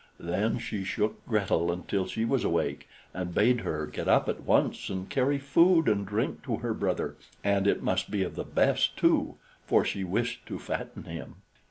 Then she shook Gretel until she was awake, and bade her get up at once and carry food and drink to her brother, and it must be of the best too, for she wished to fatten him.